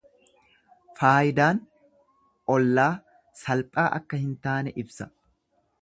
Faayidaan ollaa salphaa akka hin taane ibsa.